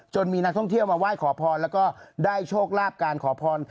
มีนักท่องเที่ยวมาไหว้ขอพรแล้วก็ได้โชคลาภการขอพร